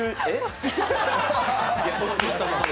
えっ？